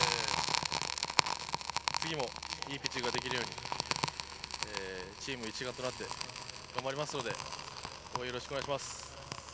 次もいいピッチングができるように、チーム一丸となって頑張りますので、応援、よろしくお願いします。